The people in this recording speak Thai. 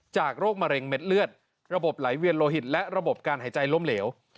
โรคมะเร็งเม็ดเลือดระบบไหลเวียนโลหิตและระบบการหายใจล้มเหลว